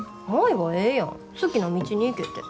舞はええやん好きな道に行けて。